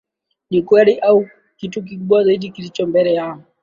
ni kweli Au kuna kitu kikubwa zaidi kilicho mbele ya